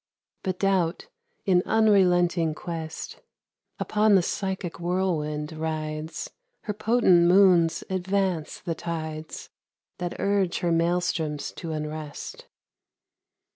But Doubt, in unrelenting quest, Upon the psychic whirlwind rides ; Her potent moons advance the tides That urge her maelstroms to unrest.